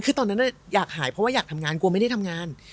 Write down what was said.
คือตอนนั้นอยากหายเพราะว่าอยากทำงานกลัวไม่ได้ทำงาน